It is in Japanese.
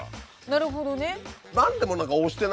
なるほどね。